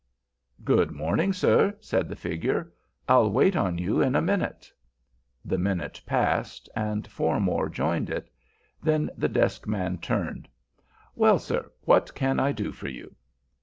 "Good morning, sir," said the figure. "I'll wait on you in a minute." The minute passed, and four more joined it. Then the desk man turned. "Well, sir, what can I do for you?"